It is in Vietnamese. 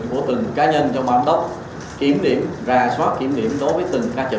của từng cá nhân trong bang tốc kiểm điểm ra soát kiểm điểm đối với từng ca trực